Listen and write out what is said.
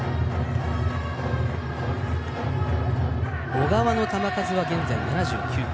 小川の球数は現在７９球。